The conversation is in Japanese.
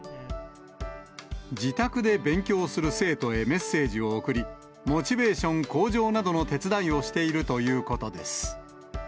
自宅で勉強する生徒へメッセージを送り、モチベーション向上などの手伝いをしているということです。